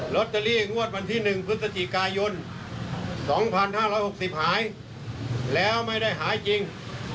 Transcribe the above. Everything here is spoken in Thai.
ลอตเตอรี่งวดวันที่๑พฤศจิกายน๒๕๖๐หายแล้วไม่ได้หายจริง